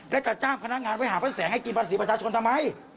และจะจ้างพนักงานไว้หาพระแสงให้กินภาษีประชาชนทำไม